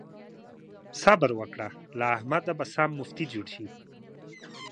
صبر وکړه؛ له احمده به سم مفتي جوړ شي.